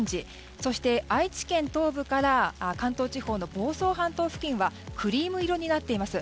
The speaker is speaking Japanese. そして愛知県東部から関東地方の房総半島地方はクリーム色になっています。